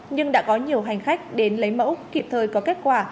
nhưng đã có nhiều hành khách đến lấy mẫu kịp thời có kết quả